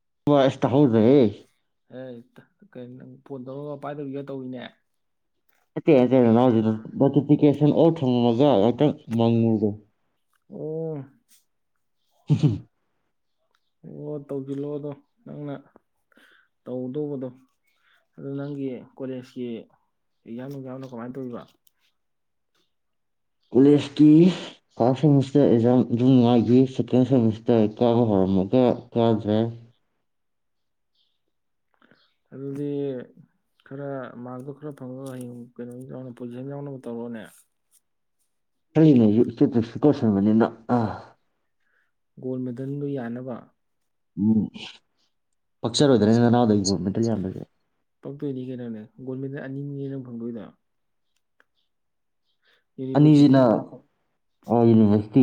[unintelligible] ꯇꯍꯥꯎ ꯗ꯭ꯔꯦꯍꯦ ꯑꯦ ꯀꯩꯅꫭ ꯅꯪ ꯐꯣꯟ ꯇꯧꯔꯒ ꯄꯥꯏꯗꯕꯤꯒ ꯇꯧꯋꯤꯅꯦ [unintelligible] [unintelligible] [unintelligible] [unintelligible] [unintelligible] ꯍꯥꯏꯐꯦꯠꯇꯪ ꯃꯥꯡꯉꯨꯖꯦ ꯑꯣ ꯎꯍꯨꯝ ꯑꯣ ꯇꯧꯁꯤꯜꯂꯛꯑꯣꯗꯣ ꯅꯪꯅ ꯇꯧꯗꯧꯕꯗꯣ ꯑꯗꯨ ꯅꯪꯒꯤ ꯀꯣꯂꯦꯖꯀꯤ ꯑꯦꯡꯖꯥꯝ ꯅꯨꯡꯖꯥꯝꯅ ꯀꯃꯥꯏꯅ ꯇꯧꯗꫭꯏꯕ ꯀꯣꯂꯦꯖꯀꯤ ꯐꯥꯔꯁ ꯁꯦꯃꯤꯁꯇꯔ ꯑꯦꯛꯖꯥꯝ ꯑꯗꯨꯝ ꯉꯥꯏꯈꯤ ꯁꯦꯀꯦꯟ ꯁꯦꯃꯤꯁꯇꯔ ꯀꯥꯕ ꯍꯧꯔꯝꯃꯒ ꯀꯥꯗ꯭ꯔꯦ ꯑꯗꯨꯗꯤ ꯈꯔ ꯃꯥꯔꯛꯇꯣ ꯈꯔ ꯐꯪꯉꯒ ꯍꯌꯦꯡ ꯀꯩꯅꯣ ꯄꯣꯖꯤꯁꯟ ꯌꯥꯎꯅꯕ ꯇꯧꯔꯣꯅꯦ [unintelligible] ꯀꯁ ꯃꯅꯤ ꯅ ꯑ ꯒꯣꯜ ꯃꯦꯗꯜꯗꯨ ꯌꯥꯟꯅꯕ ꯎꯝ ꯄꯛꯆꫭꯏ ꯗ꯭ꯔꯅꯦ ꯅꯅꯥꯎꯗ ꯒꫭꯜ ꯃꯦꯗꯜ ꯌꯥꯟꯕꯖꯦ ꯄꯛꯇꯣꯏꯅꯤ ꯀꯩꯅꯣꯅꯦ ꯒꯣꯜꯃꯦꯟꯗ ꯑꯅꯤ ꯅꯤꯅꯩ ꯅꯪ ꯐꯪꯗꯣꯏꯗꫭ ꯑꯅꯤꯁꯤꯅ ꯌꯅꯤꯕ꯭ꯔꯁꯤꯗꯤꯅꯦ ꯑꯣ ꯌꯨꯅꯤꯕ꯭ꯔꯁꯇꯤ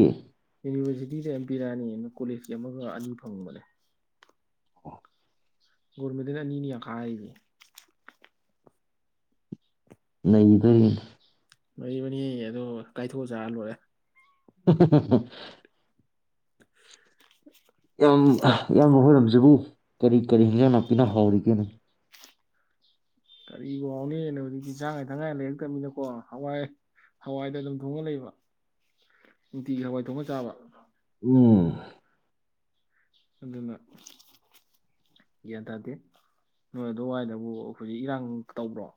ꯌꯨꯅꯤꯕ꯭ꯔꯁꯤꯇꯤꯗꯩ ꯑꯝ ꯄꯤꯔꯛꯑꯅꯤ ꯑꯃꯅ ꯀꫭꯂꯦꯁꯀꯤ ꯑꯃꯒ ꯑꯅꯤ ꯐꯪꯕꯅꯦ ꯒꯣꯟꯃꯦꯟꯗꯜ ꯑꯅꯤꯅꯤ ꯌꯥꯟꯈꯥꯏ ꯖꯦ ꯅꯩꯗꫭꯏꯅꯦ ꯃꯔꯤ ꯃꯅꯤ ꯑꯗꯣ ꯀꯥꯏꯊꯣꯛꯑ ꯆꯥꯔ ꯂꯣꯏꯔꯦ [inaudible] [inaudible] ꯏꯌꯥꯝꯕ ꯍꯣꯏꯔꫭꯝꯖꯤꯕꯨ ꯀꯔꯤ ꯀꯔꯤ ꯍꯤꯟꯖꯥꯡ ꯅꯥꯄꯤꯅ ꯍꯥꯎꯔꯤꯒꯦꯅꯦ ꯀꯔꯤꯕꯨ ꯍꯧꯅꯦꯒꯦ ꯍꯧꯖꯤꯛꯇꯤ ꯆꯥꯅ ꯊꯥꯛꯉꯥꯏ ꯂꯩꯔꯛꯇꯕꯅꯤꯅꯀꯣ ꯍꯋꯥꯏ ꯍꯋꯥꯏꯗ ꯑꯗꯨꯝ ꯊꯣꯡꯉ ꯂꯩꯕ ꯅꯨꯡꯇꯤꯒꯤ ꯍꯋꯥꯏ ꯊꯣꯡꯉ ꯆꯥꯕ ꯎꯝ ꯑꯗꯨꯅ ꯒ꯭ꯌꯥꯟ ꯇꯥꯗꯦ ꯅꯣꯏ ꯑꯗꯨꯋꯥꯏꯗꯕꯨ ꯍꯧꯖꯤꯛ ꯏꯔꯥꯡ ꯇꯧꯕ꯭ꯔꯣ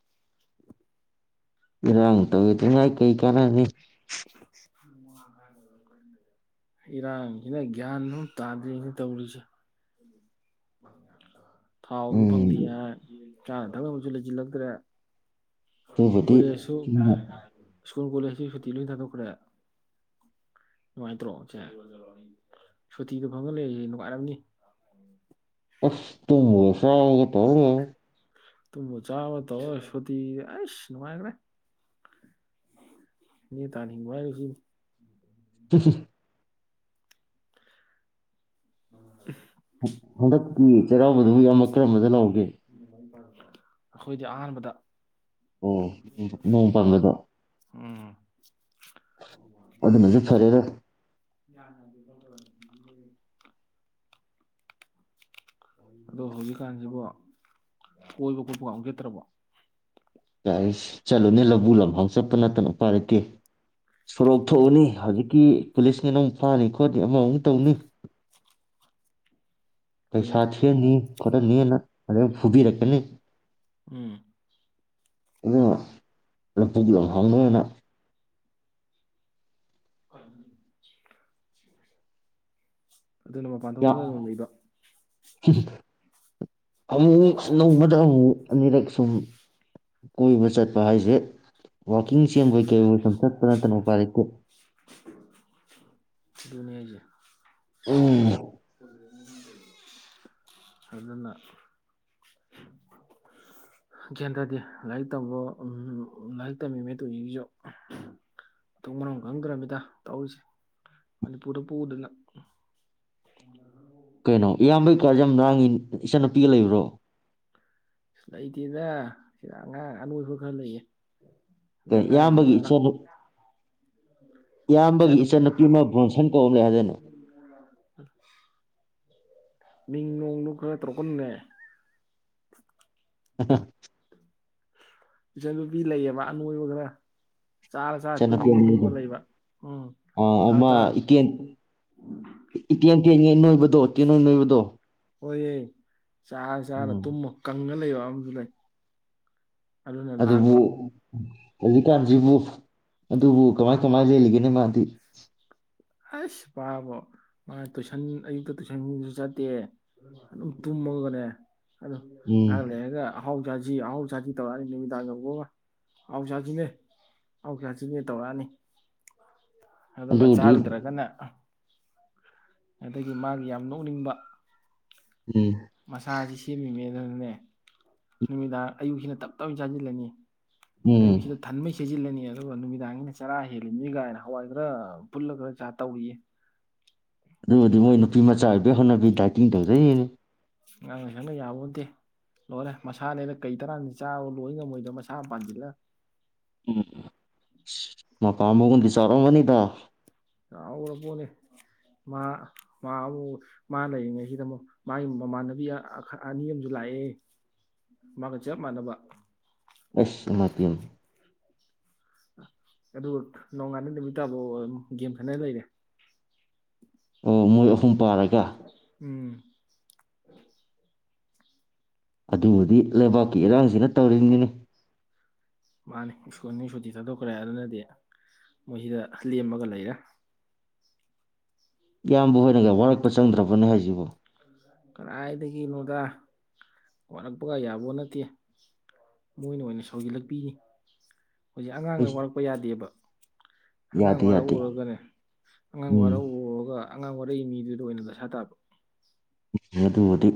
ꯏꯔꯡ ꯇꯧꯋꯦꯗꯨꯉꯥꯏ ꯀꯩ ꯀꯥꯅꯅꯤ ꯏꯔꯥꯡꯖꯤꯅ ꯒ꯭ꯌꯥꯟ ꯑꯝ ꯇꯥꯗ꯭ꯔꯦꯅꯦ ꯇꯧꯔꯤꯖꯦ ꯊꯥꯎꯖꯨ ꯐꯪꯗꯦ ꯎꯝ ꯍꯥꯏ ꯆꯥꯅ ꯊꯛꯅꯕꯁꯨ ꯂꯩꯁꯤꯜꯂꯛꯇ꯭ꯔꯦ ꯑꯗꯨꯕꯨꯗꯤ ꯐꯤ ꯁꯨꯇꯤ ꯂꯣꯏ ꯊꯥꯗꯣꯛꯈ꯭ꯔꯦ ꯅꯨꯡꯉꯥꯏꯇ꯭ꯔꯣ ꯁꯦ ꯁꯨꯇꯤꯗꯣ ꯐꯪꯍꯜꯂꯛꯏꯁꯦ ꯅꯨꯡꯉꯥꯏꯔꯝꯅꯤ ꯑꯁ ꯇꯨꯝꯕꯒ ꯆꯥꯕꯥ ꯇꯧ ꯂꯩꯔꯦ ꯇꯨꯝꯃ ꯆꯥꯕ ꯇꯧꯔꯥ ꯁꯨꯇꯤ ꯑꯁ ꯅꯨꯡꯉꯥꯏꯈ꯭ꯔꯦ ꯌꯦ ꯇꯥꯅꯤꯉꯁꯤ ꯍꯨ ꯍꯨ ꯑ ꯍꯗꯛꯀꯤ ꯆꯩꯔꯥꯎꯕꯗꯨꯕꯨ ꯏꯌꯥꯝꯅ ꯀꯔꯝꯕꯗ ꯂꯥꯎꯒꯦ ꯑꯩꯈꯣꯏꯗꯤ ꯑꯍꯥꯟꯕꯗ ꯑꯣ ꯅꯣꯡ ꯄꯥꯟꯕꯂꯗ ꯎꯝ ꯑꯗꯨꯅꯁꯨ ꯐꯔꯦꯔ ꯎꯝꯃꯥ ꯎꯝꯃꯤꯌꯦ [inaudible] ꯑꯗꯣ ꯍꯧꯖꯤꯛꯀꯥꯟꯁꯤꯕꯨ ꯀꯣꯏꯕ ꯈꯣꯠꯄꯒ ꯆꯠꯇ꯭ꯔꯕ ꯌꯥ ꯆꯠꯂꯨꯅꯦ ꯂꯕꯨꯨ ꯂꯝꯐꯥꯎ ꯆꯠꯄ ꯅꯠꯇꯅ ꯄꯥꯏꯔꯛꯀꯦ ꯁꯣꯔꯣꯛ ꯊꯣꯛꯎꯅꯤ ꯍꯥꯏ ꯤ ꯄꯨꯂꯤꯁꯀꯤꯅ ꯑꯃꯨꯛ ꯐꯥꯅꯤ ꯈꯣꯠꯅꯤ ꯑꯃꯃꯨꯛ ꯇꯧꯅꯤ ꯍꯣꯏꯅꯦ ꯄꯩꯁꯥ ꯊꯦꯅꯤ [unintelligible] ꯎꯝ ꯑꯗꯨ ꯂꯄꯨꯒꯤ ꯌꯥꯝ ꯍꯥꯡꯅꯅ ꯍ ꯑꯗꯨꯅ ꯃꯄꯥꯟ ꯌꯥꯝ ꯊꯣꯛꯇꯅ ꯑꯗꯨꯝ ꯂꯩꯕ ꯑꯃꯨꯛ ꯃꯨꯛ ꯅꯣꯡꯃꯗ ꯑꯃꯨꯛ ꯃꯨꯛ ꯑꯅꯤꯔꯛ ꯁꯨꯝ ꯀꯣꯏꯕ ꯆꯠꯄ ꯍꯥꯏꯁꯦ ꯋꯥꯛꯀꯤꯡ ꯆꯦꯟꯕꯣꯏ ꯀꯩꯑꯣꯏ ꯁꯨꯝ ꯆꯠꯄ ꯅꯠꯇꯅ ꯎꯄꯥꯏ ꯂꯩꯇꯦ ꯅꯤꯌꯥ ꯎꯝ ꯎꯝ ꯑꯗꯨꯅ ꯒꯦꯟꯗ꯭ꯔꯗꯤ ꯂꯥꯏꯔꯤꯛ ꯇꯝꯕ ꯂꯥꯏꯔꯤꯛ ꯇꯝꯃꯤꯕꯩ ꯇꯧꯒꯤꯁꯨ ꯃꯊꯛ ꯃꯔꯝ ꯈꯪꯗ꯭ꯔꯃꯤꯗ ꯇꯧꯔꯤꯁꯦ ꯃꯅꯤꯄꯨꯔꯗ ꯄꯨꯗ ꯎꯝ ꯀꯩꯅꯣ ꯏꯌꯥꯝꯕꯩ ꯀꯥꯖꯦ ꯌꯥꯝ ꯂꯥꯡꯉꯦ ꯏꯆꯟꯅꯨꯄꯤꯒ ꯂꯩꯕ꯭ꯔꯣ ꯁꯨ ꯂꯩꯇꯦꯅꯦ ꯁꯤꯗ ꯑꯉꯥꯡ ꯑꯅꯣꯏꯕ ꯈꯔ ꯂꯩꯌꯦ ꯑꯗꯩ ꯀꯩꯅꯣ ꯑꯉꯥꯡꯁꯤꯡ ꯏꯌꯥꯝꯕꯒꯤ ꯂꯣꯏ ꯂꯥꯡ ꯏꯆ ꯏꯆꯥ ꯏꯌꯥꯝꯕꯒꯤ ꯏꯆꯟꯅꯨꯄꯤ ꯑꯃ ꯕ꯭ꯔꯣꯟꯁꯟ ꯀꯧꯝ ꯂꯩ ꯍꯥꯏꯗꯅꯨ ꯃꯤ ꯅꯣꯡꯗꯨ ꯈꯔ ꯇꯧꯔꯨꯛꯀꯟꯅꯦ ꯑ ꯏꯆꯟ ꯅꯨꯄꯤ ꯂꯩꯌꯦꯕ ꯑꯅꯣꯏꯕ ꯈꯔ ꯆꯥꯔ ꯆꯥꯔ ꯆꯅ ꯇꯨꯝꯃ ꯇꯨꯝꯃ ꯂꯩꯕ ꯎꯝ ꯆꯥꯔ ꯆꯥꯔ ꯑ ꯏꯀ ꯏꯀꯦꯟ ꯇꯦꯟꯉꯩ ꯅꯣꯏꯕ ꯗꯣꯇꯦ ꯅꯣꯏ ꯅꯣꯏꯕꯗꯣ ꯑꯣꯏꯔꯏ ꯆꯥ ꯆꯥꯔ ꯎꯝ ꯇꯨꯝꯃ ꯀꯪꯉ ꯂꯩꯕ ꯇꯥꯡ ꯖꯂꯥꯏ ꯑꯗꯨꯅ ꯂꯥꯡꯕ ꯑꯗꯨꯕꯨ ꯍꯧꯖꯤꯛꯀꯥꯟꯁꯤꯕꯨ ꯑꯗꯨꯕꯨ ꯀꯃꯥꯏ ꯀꯃꯥꯏꯅ ꯂꯩꯂꯤꯒꯦꯅꯤ ꯃꯥꯗꯤ ꯑꯁ ꯄꯥꯕꯣ ꯃꯥ ꯇꯨꯏꯁꯟ ꯑꯌꯨꯛꯇ ꯇꯨꯏꯁꯟꯁꯨ ꯆꯠꯇꯦ ꯑꯗꯨꯝ ꯇꯨꯝꯃꯒꯅꯦ ꯑꯗꯨ ꯎꯝ ꯉꯍꯥꯛ ꯂꯩꯔꯒ ꯑꯍꯥꯎ ꯆꯥꯁꯤ ꯑꯍꯥꯎ ꯆꯥꯁꯤ ꯇꯧꯔꯛꯑꯅꯤ ꯅꯨꯃꯤꯗꯥꯡ ꯌꯧꯕꯒ ꯑꯍꯥꯎ ꯆꯥꯁꯤꯅꯦ ꯑꯍꯥꯎ ꯆꯥꯁꯤꯅꯦ ꯇꯧꯔꯛꯑꯅꯤ ꯑꯗꯨꯒ ꯑꯗꯨꯕꯨꯗꯤ ꯆꯥꯔꯨꯗ꯭ꯔꯒꯅ ꯑꯗꯒꯤ ꯃꯥꯒꯤ ꯌꯥꯝ ꯅꯣꯛꯅꯤꯡꯕ ꯎꯝ ꯃꯁꯥꯁꯤ ꯁꯦꯝꯃꯤꯃꯦꯗꯅꯅꯦ ꯅꯨꯃꯤꯗꯥꯡ ꯑꯌꯨꯛꯁꯤꯅ ꯇꯞ ꯇꯥꯃꯩ ꯆꯥꯁꯤꯜꯂꯅꯤ ꯎꯝ ꯑꯌꯨꯛꯁꯤꯗ ꯊꯟꯃꯩ ꯁꯤꯖꯤꯜꯂꯅꯤ ꯑꯗꯨꯒ ꯅꯨꯃꯤꯗꯥꯡꯖꯤꯅ ꯆꯔꯥ ꯍꯦꯜꯂꯤꯝꯅꯤ ꯀꯥꯏꯅ ꯍꯋꯥꯏ ꯈꯔ ꯐꯨꯜꯂꯒ ꯈꯔ ꯆꯥ ꯇꯧꯔꯤꯌꯦ ꯑꯗꯨꯕꯨꯗꯤ ꯃꯣꯏ ꯈꯪꯗꯦ ꯅꯨꯄꯤ ꯃꯆꯥ ꯍꯧꯅꯕꯤ ꯗꯥꯏꯇꯤꯡ ꯇꯧꯖꯩꯅꯤꯅꯦ ꯉꯥꯡꯅ ꯁꯛꯅ ꯌꯥꯕꯣꯟꯇꯦ ꯂꯣꯏꯔꯦ ꯃꯁꯥꯅꯦꯗꯥ ꯀꯩ ꯇꯔꯥꯅ ꯆꯥꯕ ꯂꯣꯏ ꯉꯝꯃꯣꯏꯗꯕ ꯃꯁꯥ ꯑꯃ ꯄꯥꯟꯁꯤꯜꯂꯒ ꯎꯝ [unintelligible] ꯆꯥꯎꯔꯝꯒꯅꯤꯗ ꯆꯥꯎꯔꯄꯣꯠꯅꯤ ꯃꯥ ꯃꯥ ꯑꯃꯨ ꯃꯥ ꯂꯩꯔꯤꯉꯩꯁꯤꯗ ꯑꯃꯨꯛ ꯃꯥꯒꯤ ꯃꯃꯥꯟꯅꯕꯤ ꯑꯅꯤ ꯑꯃꯁꯨ ꯂꯥꯛꯑꯦ ꯃꯥꯒ ꯆꯞ ꯃꯥꯟꯅꯕ ꯑꯁ ꯏꯃꯥꯥꯏꯄꯦꯝꯃꯥ ꯑꯗꯨꯒ ꯅꯣꯡꯉꯥꯟꯗ ꯅꯨꯃꯤꯠ ꯇꯥꯐꯥꯎ ꯒꯦꯝ ꯁꯥꯅ ꯂꯩꯔꯦ ꯑꯣ ꯃꯣꯏ ꯑꯍꯨꯝ ꯄꯥꯔ ꯎꯝ [unintelligible] ꯑꯗꯨꯕꯨꯗꯤ ꯂꯩꯕꯥꯛꯀꯤ ꯏꯔꯥꯡꯁꯤꯅ ꯇꯧꯔꯤꯅꯤꯅꯦ ꯃꯥꯅꯤ ꯁ꯭ꯀꯨꯜ ꯁꯨꯇꯤ ꯊꯥꯗꯣꯛꯈ꯭ꯔꯦ ꯑꯗꯨꯅꯗꯤ ꯃꯣꯏꯁꯤꯗ ꯂꯦꯝꯃꯒ ꯂꯩꯔꯦ ꯏꯌꯥꯝꯕꯍꯣꯏꯅꯒ ꯋꯥꯔꯛꯄ ꯆꯪꯗ꯭ꯔꯕꯅꯦ ꯍꯥꯏꯁꯤꯕꯣ ꯀꯗꯥꯏꯗꯒꯤꯅꯣꯗꯥ ꯋꯥꯠꯔꯛꯄꯒ ꯌꯥꯕꯣ ꯅꯠꯇꯦ ꯃꯣꯏꯅ ꯑꯣꯏꯅ ꯁꯥꯎꯖꯤꯜꯂꯛꯄꯤꯅꯤ ꯍꯧꯖꯤꯛ ꯑꯉꯥꯡꯗ ꯑꯩꯁ ꯋꯥꯔꯛꯄ ꯌꯥꯗꯦꯕ ꯑꯉꯥꯡ ꯌꯥꯗꯦ ꯌꯥꯗꯦ ꯋꯥꯔꯛꯎꯔꯒꯅꯦ ꯑꯉꯥꯡ ꯎꯝ ꯋꯥꯔꯛꯎꯔꯒ ꯑꯉꯥꯡ ꯋꯥꯔꯛꯏꯕ ꯃꯤꯗꯨꯗ ꯑꯣꯏꯅ ꯗꯁꯥ ꯇꯥꯕ ꯑꯗꯨꯕꯨꯗꯤ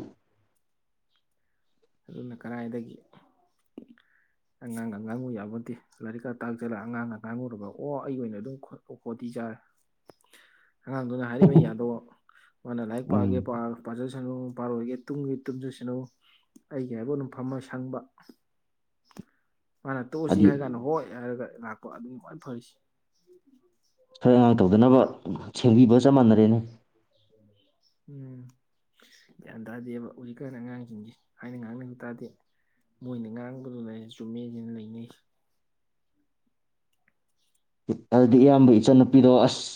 ꯑꯗꯨꯅ ꯀꯔꯥꯏꯗꯒꯤ ꯑꯉꯥꯡꯒ ꯉꯥꯡꯉꯨ ꯌꯥꯕ ꯅꯠꯇꯦ ꯂꯥꯏꯔꯤꯛꯀ ꯇꯥꯛꯆꯜꯂꯒ ꯑꯉꯥꯡꯒ ꯉꯥꯡꯉꯨꯔꯕ ꯑꯣ ꯑꯩꯒꯤ ꯑꯣꯏꯅ ꯑꯗꯨꯝ ꯈꯣꯇꯤ ꯆꯥꯔꯦ ꯑꯉꯥꯡꯗꯨꯅ ꯍꯥꯏꯔꯤꯃꯩ ꯌꯥꯗꯣꯕ ꯃꯥꯅ ꯂꯥꯏꯔꯤꯛ ꯎꯝ ꯄꯥꯒꯦ ꯁꯅꯨ ꯄꯥꯔꯣꯏꯒꯦ ꯇꯨꯝꯒꯦ ꯇꯨꯝꯖꯁꯅꯨ ꯑꯩꯒꯤ ꯍꯥꯏꯕꯨ ꯑꯗꯨꯝ ꯐꯝꯃ ꯁꯪꯕ ꯃꯥꯥꯟꯅ ꯇꯣꯛꯑꯁꯤ ꯍꯥꯏꯗꯤ ꯍꯥꯏ ꯀꯥꯟꯗ ꯍꯣꯏ ꯍꯥꯏꯔꯒ ꯂꯥꯛꯄ ꯑꯗꯨꯝ ꯈ꯭ꯋꯥꯏ ꯐꯔꯤꯁ ꯁꯋꯥꯏ ꯑꯉꯥꯡ ꯇꯧꯗꯅꯕ ꯁꯦꯡꯕꯤꯕꯒ ꯆꯞ ꯃꯥꯟꯅꯔꯦꯅꯦ ꯎꯝ ꯒ꯭ꯌꯥꯟ ꯇꯥꯗꯦꯕ ꯍꯧꯖꯤꯛꯀꯥꯟ ꯑꯉꯥꯡꯁꯤꯡꯁꯦ ꯍꯥꯏꯅ ꯉꯥꯡꯅꯕ ꯇꯥꯗꯦ ꯃꯣꯏꯅ ꯉꯥꯡꯕꯗꯨ ꯆꯨꯝꯃꯦꯁꯤꯅ ꯂꯩꯅꯩꯁꯤ ꯑꯗꯨꯗꯤ ꯏꯌꯥꯝꯕ ꯏꯆꯟꯅꯨꯄꯤꯗꯣ ꯑꯁ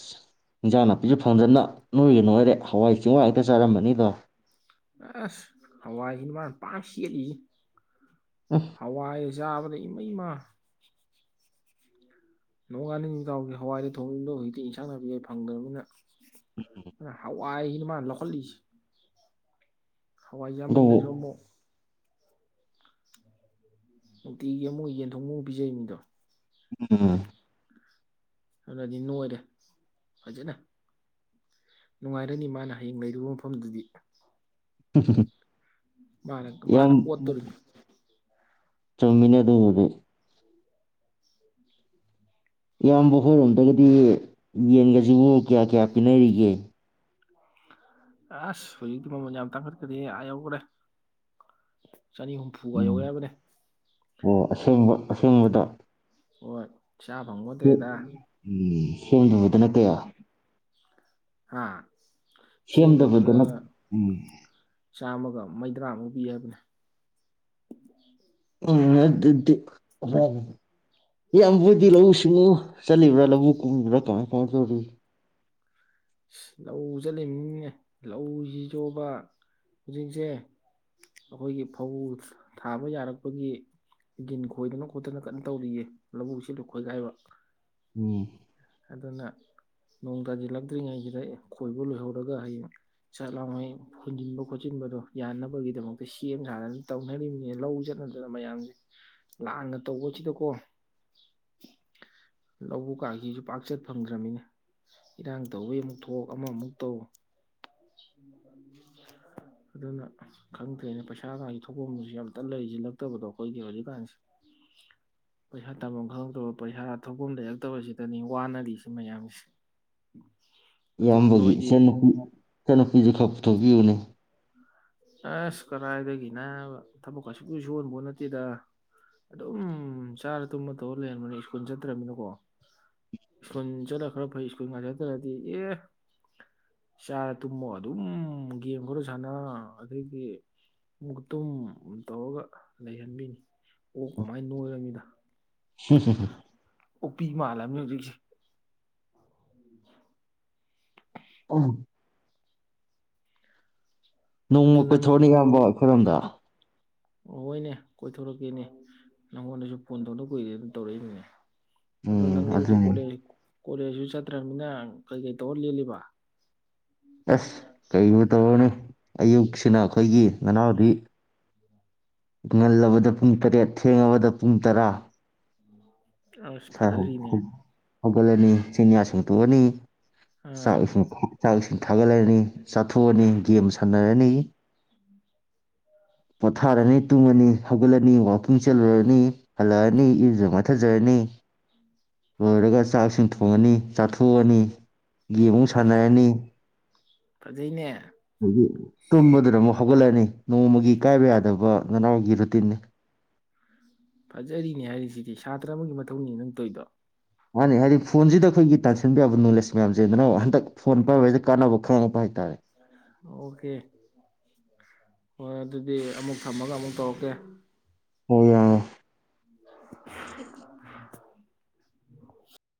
ꯏꯟꯖꯥꯡ ꯅꯥꯄꯤꯁꯨ ꯐꯪꯗꯃꯤꯅ ꯅꯣꯏꯒ ꯅꯣꯏꯔꯦ ꯍꯋꯥꯏ ꯆꯦꯡꯋꯥꯏ ꯍꯦꯛꯇ ꯆꯥꯔꯝꯃꯅꯤꯗꯣ ꯑꯦꯁ ꯍꯋꯥꯏꯁꯤꯅꯤ ꯃꯥꯅ ꯄꯥꯝꯅꯥ ꯁꯦꯠꯂꯤꯖꯤ ꯎꯝ ꯍꯋꯥꯏ ꯌꯥꯥꯕꯗ ꯏꯃꯩ ꯏꯃꯥ ꯅꯣꯡꯉꯥꯟꯅꯤꯡ ꯢꯇꯥꯎꯗꯤ ꯍꯋꯥꯏꯗ ꯊꯣꯛꯏꯕꯗꯣ ꯍꯧꯖꯤꯛꯇꯤ ꯏꯟꯁꯥꯡ ꯅꯥꯄꯤ ꯐꯪꯗ꯭ꯔꯕꯅꯤꯅ ꯑ ꯍꯥꯎ ꯋꯥꯥꯏꯁꯤꯖꯨ ꯃꯥ ꯂꯧꯍꯜꯂꯤꯁꯤ ꯍꯋꯥꯏ ꯑꯗꯨꯕꯨ ꯌꯥꯝꯃꯜꯂꯁꯨ ꯃꯣ ꯅꯨꯡꯇꯤꯒꯤ ꯑꯃꯨꯛ ꯌꯦꯟꯊꯣꯡꯕ ꯑꯃꯨꯛ ꯄꯤꯖꯩꯅꯤꯗꯣ ꯎꯝ ꯑꯗꯨꯅꯗꯤ ꯅꯣꯏꯔꯦ ꯐꯖꯅ ꯅꯨꯡꯉꯥꯏꯔꯅꯤ ꯃꯥꯅ ꯍꯌꯦꯡ ꯂꯩꯔꯨꯕ ꯃꯐꯝꯗꯨꯗꯤ ꯍꯨ ꯍꯨ ꯍꯨ ꯃꯥꯅ ꯃꯥꯅ ꯑꯣꯠꯇꯣꯔꯤ ꯆꯨꯝꯃꯤꯅꯦ ꯑꯗꯨꯕꯨꯗꯤ ꯏꯌꯥꯝꯕ ꯍꯣꯏꯔꯣꯝꯗꯒꯗꯤ ꯌꯦꯟꯒꯁꯦ ꯁꯤꯕꯨ ꯀꯌꯥ ꯀꯌꯥ ꯄꯤꯅꯔꯤꯒꯦ ꯎ ꯑꯁ ꯍꯧꯖꯤꯛ ꯃꯃꯜ ꯌꯥꯝ ꯇꯥꯡꯈꯠꯄꯅꯤ ꯑꯥ ꯌꯧꯈꯔꯦ ꯎꯝ ꯑꯣ ꯑꯁꯦꯡꯕ ꯑꯁꯦꯡꯕꯗ ꯑꯣ ꯎꯝ ꯁꯦꯝꯗꯕꯥ ꯗꯅ ꯀꯌꯥ ꯑꯥ ꯁꯦꯝꯗꯕꯗꯨꯅ ꯎꯝ ꯆꯥꯝꯃꯒ ꯃꯩꯗ꯭ꯔꯥꯃꯨꯛ ꯄꯤ ꯍꯥꯏꯕꯅꯦ ꯎꯝ ꯑꯗꯨꯗꯤ ꯏꯌꯥꯝꯕꯗꯤ ꯂꯧꯎ ꯁꯤꯡꯎ ꯆꯠꯂꯤꯕ꯭ꯔꯥ ꯂꯧꯕꯨꯨꯛ ꯀꯨꯝꯂꯤꯕ꯭ꯔꯥ ꯀꯃꯥꯏ ꯀꯃꯥꯏ ꯇꯧꯔꯤ ꯂꯧ ꯆꯠꯂꯤꯕꯅꯤꯅꯦ ꯂꯧꯁꯤꯖꯨꯕ ꯍꯧꯖꯤꯛꯁꯦ ꯑꯩꯈꯣꯏꯒꯤ ꯐꯧ ꯊꯥꯕ ꯌꯥꯔꯛꯄꯒꯤ ꯒꯤꯟ ꯈꯣꯏꯗꯅ ꯈꯣꯠꯇꯅ ꯀꯟꯅ ꯇꯧꯔꯤꯌꯦ ꯂꯧꯎꯁꯤꯂꯨ ꯈꯣꯏꯒꯥꯏꯕ ꯎꯝ ꯑꯗꯨꯅ ꯅꯣꯡ ꯇꯥꯖꯤꯜꯂꯛ ꯐꯠꯇ꯭ꯔꯤꯉꯩꯁꯤꯗ ꯈꯣꯏꯕ ꯂꯣꯏꯍꯧꯔꯒ ꯍꯌꯦꯡ ꯆꯥꯛ ꯂꯥꯡꯉꯩ ꯍꯨꯟꯖꯤꯟꯕ ꯈꯣꯠꯆꯤꯟꯕꯗꯣ ꯌꯥꯅꯕꯒꯤꯗꯃꯛꯇ ꯁꯦꯝ ꯁꯥꯗꯅ ꯇꯧꯅꯔꯤꯕꯅꯤꯅ ꯂꯧ ꯆꯠꯅꯗꯅ ꯃꯌꯥꯝꯁꯦ ꯂꯥꯡꯅ ꯇꯧꯕꯁꯤꯗꯀꯣ ꯂꯧꯕꯨ ꯀꯥꯡꯥꯁꯤꯁꯨ ꯄꯥꯛꯆꯠ ꯐꯪꯗ꯭ꯔꯕꯃꯤꯅ ꯏꯔꯥꯡ ꯇꯧꯋꯤ ꯑꯃꯨꯛ ꯊꯣꯛ ꯑꯃꯃꯨꯛ ꯇꯧ ꯑꯗꯨꯅ ꯈꯪꯗ꯭ꯔꯦꯅꯦ ꯄꯩꯁꯥꯒꯁꯦ ꯊꯣꯛꯐꯝꯗꯨꯁꯨ ꯌꯥꯝꯇ ꯂꯩꯁꯤꯜꯂꯛꯇꯕꯗꯣ ꯑꯩꯈꯣꯏꯒꯤ ꯍꯧꯖꯤꯛꯀꯥꯟꯁꯦ ꯄꯩꯁꯥ ꯇꯝꯐꯝ ꯈꯪꯉꯛꯇꯕ ꯄꯩꯁꯥ ꯊꯣꯛꯐꯝ ꯂꯩꯔꯛꯇꯕꯁꯤꯗꯅꯤ ꯋꯥꯅꯔꯤ ꯁꯤ ꯃꯌꯥꯝꯁꯦ ꯑꯗꯨ ꯏꯌꯥꯝꯕꯒꯤ ꯅꯣꯏꯗꯤ ꯏꯆꯟꯅꯨꯨꯄꯤ ꯏꯆꯟꯅꯨꯄꯤꯁꯦ ꯈꯔ ꯄꯨꯊꯣꯛꯄꯤꯌꯨ [inaudible] ꯎꯝ ꯅꯪ ꯑꯁ ꯀꯔꯥꯏꯗꯒꯤ ꯅꯥꯕꯥ ꯊꯕꯛꯀ ꯁꯨꯡꯁꯨ ꯁꯨꯍꯟꯕ ꯄꯣꯠ ꯅꯠꯇꯦꯗ ꯑꯗꯨꯝ ꯆꯥꯔ ꯇꯨꯝꯃ ꯇꯧꯔ ꯂꯩꯔꯝꯕꯅꯤ ꯁ꯭ꯀꯨꯜ ꯆꯠꯇ꯭ꯔꯃꯤꯅꯀꯣ ꯁ꯭ꯀꯨꯜ ꯆꯠꯂ ꯈꯔ ꯐꯩ ꯁ꯭ꯀꯨꯜ ꯉꯥꯏ ꯆꯠꯇ꯭ꯔꯗꯤ ꯑꯦ ꯆꯥꯔ ꯇꯨꯝꯃ ꯑꯗꯨꯝ ꯒꯦꯝ ꯈꯔ ꯁꯥꯟꯅ [unintelligible] ꯍꯝ ꯍꯝ ꯍꯝ ꯎꯞꯄꯤ ꯃꯥꯜꯂꯝꯕꯅꯤ ꯍꯧꯖꯤꯛꯁꯦ ꯎ ꯅꯣꯡꯃ ꯑꯗꯨ ꯅꯪ ꯀꯣꯏꯊꯣꯔꯑꯅꯤ ꯌꯥꯝꯕꯣ ꯑꯩꯈꯣꯏꯔꯣꯝꯗ ꯍꯣꯏꯅꯦ ꯀꯣꯏꯊꯣꯔꯛꯀꯦꯅꯦ ꯅꯪꯉꯣꯟꯗꯁꯨ ꯐꯣꯟ ꯊꯣꯛꯧꯗ ꯀꯨꯏꯔꯦꯅ ꯇꯧꯔꯛꯏꯗꯨꯅꯦ ꯑꯗꯨ ꯑꯗꯨꯣ ꯎꯝ ꯅꯪꯂꯤ ꯍꯧꯖꯤ ꯑꯗꯨꯅꯤ ꯀꯣꯂ ꯀꯣꯂꯦꯖꯁꯨ ꯆꯠꯇ꯭ꯔꯅꯤꯅ ꯀꯩ ꯀꯩ ꯇꯧꯔ ꯂꯦꯜꯂꯤꯕ ꯑꯦꯁ ꯀꯩꯕꯨꯨ ꯇꯧꯅꯤ ꯑꯌꯨꯛꯁꯤꯅ ꯑꯩꯈꯣꯏꯒꯤ ꯅꯅꯥꯎꯗꯤ ꯉꯜꯂꯕꯗ ꯄꯨꯡ ꯇꯔꯦꯠ ꯊꯦꯡꯡꯂꯕꯗ ꯄꯨꯡ ꯇꯔꯥ ꯑꯁ ꯍ ꯍꯥꯎ ꯐꯖꯔꯤꯅꯦ ꯍꯧꯒꯂꯅꯤ ꯆꯅꯤꯌꯥꯁ ꯣꯅꯤ ꯑꯥ ꯆꯥꯛ ꯏ ꯆꯥꯛ ꯏꯁꯤꯡ ꯊꯥꯒꯠꯂꯅꯤ ꯆꯥꯊꯣꯛꯑꯅꯤ ꯒꯦꯝ ꯁꯥꯟꯅꯔꯅꯤ ꯄꯣꯊꯥꯔꯅꯤ ꯇꯨꯡꯉꯅꯤ ꯍꯧꯒꯠꯂꯅꯤ ꯋꯥꯛꯀꯤꯡ ꯆꯠꯂꯨꯔꯅꯤ ꯍꯜꯂꯛꯑꯅꯤ ꯏꯔꯨꯖ ꯃꯠꯊꯖꯔꯅꯤ ꯂꯣꯏꯔꯒ ꯆꯥꯛꯁꯤꯡ ꯊꯣꯡꯉꯅꯤ ꯆꯥꯊꯣꯛꯑꯅꯤ ꯌꯦꯦꯕꯨꯡ ꯐꯖ ꯁꯥꯟꯅꯔꯅꯤꯗꯤ ꯐꯖꯩꯅꯦ ꯇꯨꯝꯕꯗ꯭ꯔꯃ ꯍꯧꯒꯠꯂꯅꯤ ꯅꯣꯡꯃꯒꯤ ꯀꯥꯏꯕ ꯌꯥꯗꯕ ꯉꯅꯥꯎꯒꯤ ꯔꯨꯇꯤꯤꯟꯅꯤ ꯐꯖꯔꯤꯅꯦ ꯍꯥꯏꯔꯤꯁꯤꯗꯤ ꯁꯥꯇ꯭ꯔ ꯑꯃꯒꯤ ꯃꯊꯧꯅꯤ ꯅꯪ ꯇꯣꯏꯗꯣ ꯃꯥꯅꯤ ꯍꯥꯏꯗꯤ ꯐꯣꯟꯁꯤꯗ ꯑꯩꯈꯣꯏꯒꯤ ꯇꯥꯟꯁꯤꯟꯕ ꯌꯥꯕ ꯅꯣꯂꯦꯖ ꯃꯌꯥꯝꯁꯦꯗꯅ ꯍꯟꯗꯛ ꯐꯣꯟ ꯄꯥꯏꯕꯕꯁꯤꯁꯤꯗ ꯀꯥꯟꯅꯕ ꯈꯪꯉꯛꯄ ꯍꯥꯏꯇꯥꯔꯦ ꯑꯣꯀꯦ ꯍꯣꯏ ꯑꯗꯨꯗꯤ ꯑꯃꯨꯛ ꯊꯝꯃꯒ ꯑꯃꯨꯛ ꯇꯧꯔꯛꯀꯦ ꯍ ꯌꯥ ꯎ ꯐꯨꯁ [inaudible]